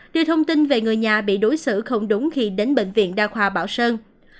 đưa thông tin về người nhà bị đối xử không đúng khi đến bệnh viện đa khoa bảo sơn